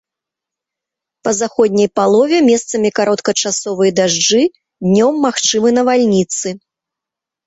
Па заходняй палове месцамі кароткачасовыя дажджы, днём магчымы навальніцы.